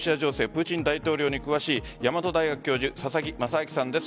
プーチン大統領に詳しい大和大学教授佐々木正明さんです。